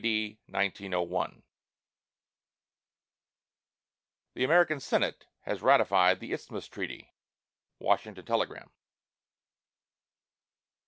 D. 1901 [The American Senate has ratified the isthmus treaty. WASHINGTON TELEGRAM.